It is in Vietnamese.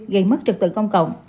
gây mất trực tự công cộng